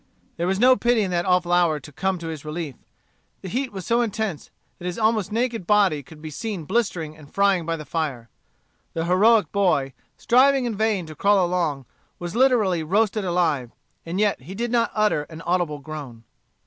There was no pity in that awful hour to come to his relief. The heat was so intense that his almost naked body could be seen blistering and frying by the fire. The heroic boy, striving in vain to crawl along, was literally roasted alive; and yet he did not utter an audible groan.